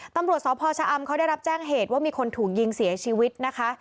ตำรวจสพชะอำเขาได้รับแจ้งเหตุว่ามีคนถูกยิงเสียชีวิตนะคะ